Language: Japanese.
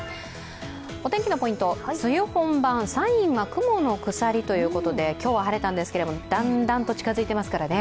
お天気のポイント、梅雨本番、サインは雲のくさりということで、今日は晴れたんですけれども、だんだんと近づいてますからね。